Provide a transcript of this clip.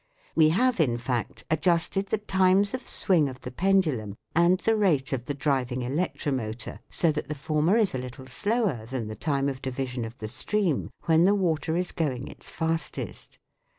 We have, in fact, adjusted the times of swing of the pendulum and the rate of the driving electromotor so that the former is a little slower than the time of division of the stream when the water is going its fastest.